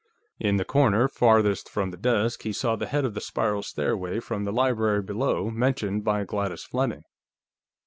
In the corner farthest from the desk, he saw the head of the spiral stairway from the library below, mentioned by Gladys Fleming.